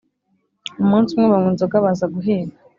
Umunsi umwe, banywa inzoga baza guhiga